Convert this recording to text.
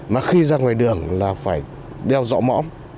mà khi ra ngoài đường là phải đeo dọa mõm